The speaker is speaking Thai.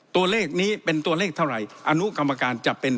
ตัวเลขนี้เป็นตัวเลขเท่าไหร่อนุกรรมการจะเป็น